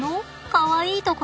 かわいいところ。